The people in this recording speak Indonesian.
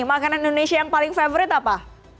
makanan indonesia yang paling favorit apa